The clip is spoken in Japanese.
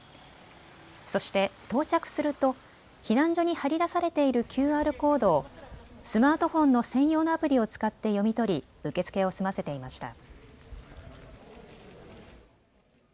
そして到着すると避難所に貼り出されているＱＲコードをスマートフォンの専用のアプリを使って読み取り受け付けを済ませていました。